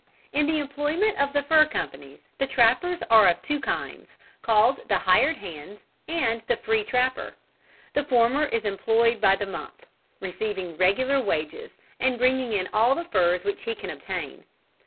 In the employment of the fur companies the trappers are of two kinds, called the "hired hand," and the "free trapper." The former is employed by the month, receiving regular wages, and bringing in all the furs which he can obtain.